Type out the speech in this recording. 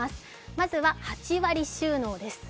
まずは８割収納です。